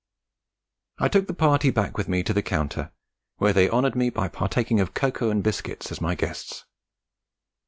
I took the party back with me to the counter, where they honoured me by partaking of cocoa and biscuits as my guests.